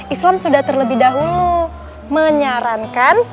islam sudah terlebih dahulu menyarankan